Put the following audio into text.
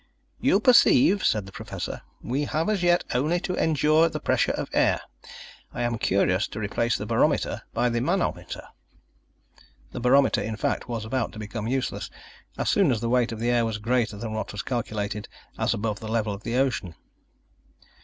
"You perceive," said the Professor, "we have as yet only to endure the pressure of air. I am curious to replace the barometer by the manometer." The barometer, in fact, was about to become useless as soon as the weight of the air was greater than what was calculated as above the level of the ocean.